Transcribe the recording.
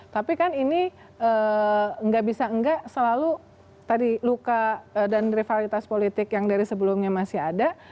tapi kan ini nggak bisa enggak selalu tadi luka dan rivalitas politik yang dari sebelumnya masih ada